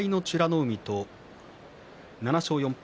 海と７勝４敗